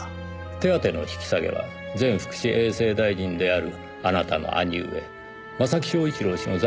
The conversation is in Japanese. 手当の引き下げは前福祉衛生大臣であるあなたの兄上正木昭一郎氏の在任中に行われました。